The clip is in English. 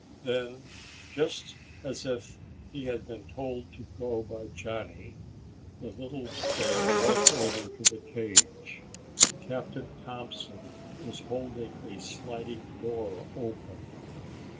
Then, just as if he had been told to go by Johnny, the little bear walked over to the cage. Captain Thompson was holding a sliding door open.